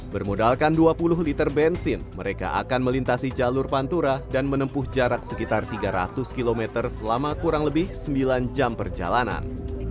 bermodalkan dua puluh liter bensin mereka akan melintasi jalur pantura dan menempuh jarak sekitar tiga ratus km selama kurang lebih sembilan jam perjalanan